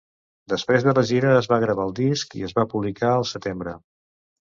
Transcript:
Després de la gira, es va gravar el disc, i es va publicar el setembre.